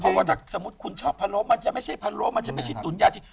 เพราะว่าถ้าสมมุติคุณชอบพะโล้มันจะไม่ใช่พะโล้มันจะไม่ใช่ตุ๋นยาจริง